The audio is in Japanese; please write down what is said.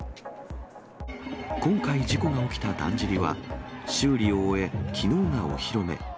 今回、事故が起きただんじりは、修理を終え、きのうがお披露目。